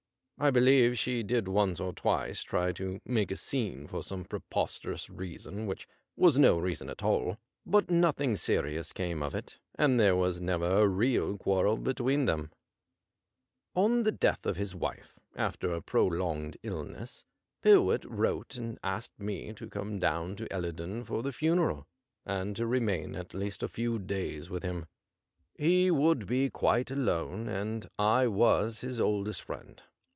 I believe she did once or twice try to make a scene for some preposterous reason which was no reason at all ; but nothing serious 85 CASE OF VINCENT PYRWHIT came of it^ and there was never a real quarrel between them. On the death of his wife^ after a prolonged illness, Pyrwhit wrote and asked me to come down to Ellerdon for the funeral, and to remain at least a few days with him. He would be quite alone, and I was his oldest friend.